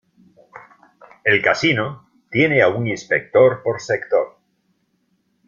El Casino tiene a un inspector por sector.